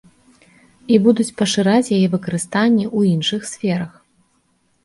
І будуць пашыраць яе выкарыстанне ў іншых сферах.